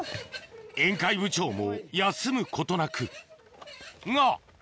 宴会部長も休むことなくが！